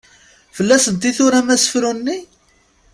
Fell-asent i turam asefru-nni?